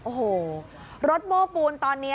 โอ้โหรถโม้ปูนตอนนี้